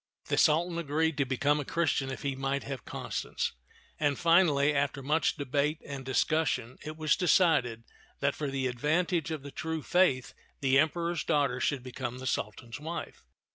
The Sultan agreed to become a Christian if he might have Constance; and finally, after much debate and discussion, it was decided that for the advantage of the true faith the Emperor's daughter should become the Sultan's wife.